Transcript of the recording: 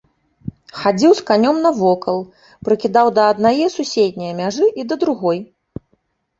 Хадзіў з канём навокал, прыкідаў да аднае, суседняе мяжы і да другой.